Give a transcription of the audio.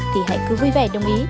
thì hãy cứ vui vẻ đồng ý